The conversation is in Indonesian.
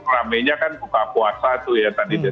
ramainya kan buka puasa tuh ya